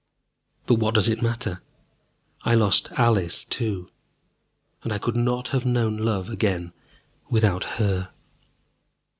But what does it matter? I lost Alice too, and I could not have known love again without her.